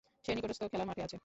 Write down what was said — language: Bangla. সে নিকটস্থ খেলার মাঠে আছে।